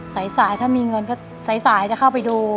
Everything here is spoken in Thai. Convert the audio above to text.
สายถ้ามีเงินก็สายจะเข้าไปดู